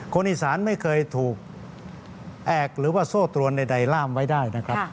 คนอีสานไม่เคยถูกแอกหรือว่าโซ่ตรวนใดล่ามไว้ได้นะครับ